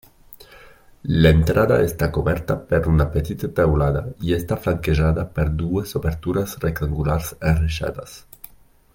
L'entrada està coberta per una petita teulada i està flanquejada per dues obertures rectangulars enreixades.